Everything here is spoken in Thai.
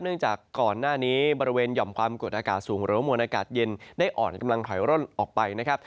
เนื่องจากก่อนหน้านี้บริเวณหย่อมความกดอากาศสูงหรือว่ามวลอากาศเย็นได้อ่อนกำลังถอยร่นออกไปนะครับ